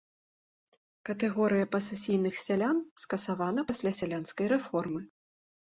Катэгорыя пасэсійных сялян скасавана пасля сялянскай рэформы.